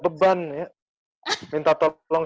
beban ya minta tolong